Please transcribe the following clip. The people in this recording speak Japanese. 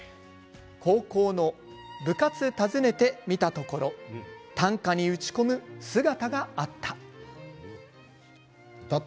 高校の部活訪ねてみたところ短歌に打ち込む姿があった。